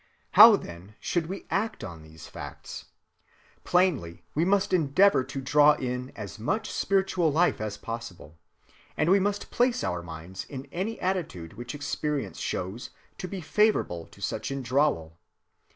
How, then, should we act on these facts? Plainly we must endeavor to draw in as much spiritual life as possible, and we must place our minds in any attitude which experience shows to be favorable to such indrawal.